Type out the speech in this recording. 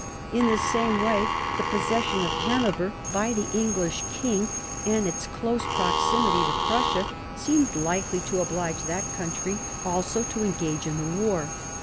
In the same way the possession of Hanover by the English king, and its close proximity to Prussia, seemed likely to oblige that country also to engage in the war.